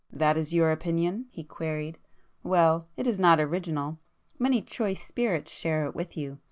"That is your opinion?" he queried—"Well, it is not original,—many choice spirits share it with you.